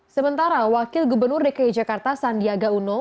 sementara wakil gubernur dki jakarta sandiaga uno